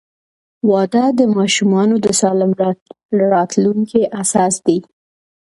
• واده د ماشومانو د سالم راتلونکي اساس دی.